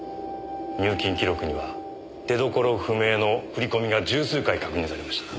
入金記録には出所不明の振り込みが十数回確認されました。